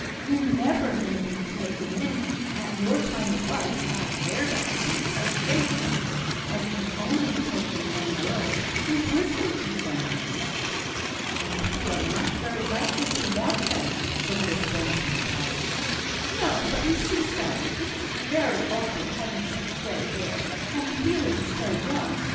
"Ye're never going to be taken in, at your time of life, by hair dyes and such gimcracks, as can only take in young girls whose wisdom teeth are not cut." "And who are not very likely to want them," said Miss Benson, quietly. "No! but you see, Sally, it's very awkward having such grey hair, and feeling so young.